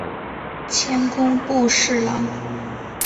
迁工部侍郎。